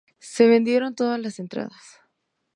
Se vendieron todas las entradas.